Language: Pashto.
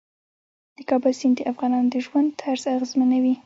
د کابل سیند د افغانانو د ژوند طرز اغېزمنوي.